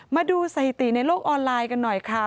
มาดูสถิติในโลกออนไลน์กันหน่อยค่ะ